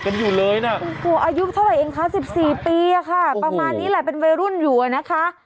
อยู่เลยนะโอ้โหอายุเท่าไหร่เองคะ๑๔ปีอะค่ะประมาณนี้แหละเป็นวัยรุ่นอยู่อะนะคะ